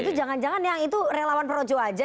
itu jangan jangan yang itu relawan projo aja